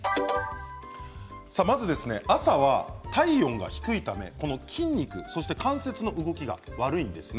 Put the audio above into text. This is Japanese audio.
まず、朝は体温が低いため筋肉、関節の動きが悪いんですね。